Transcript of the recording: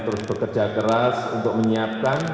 terus bekerja keras untuk menyiapkan